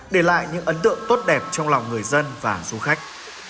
để lại những ấn tượng tốt đẹp trong lòng người dân và du khách